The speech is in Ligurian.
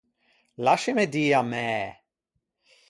Lascime dî a mæ!